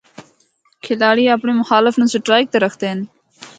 کھلاڑی اپنڑے مخالف نوں سٹرائیک تے رکھدے ہن۔